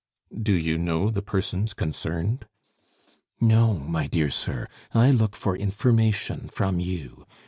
"Do you know the persons concerned?" "No, my dear sir; I look for information from you.